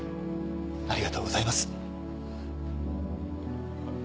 ありがとうございます。